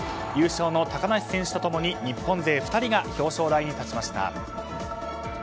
優勝の高梨選手と共に日本勢２人が表彰台に立ちました。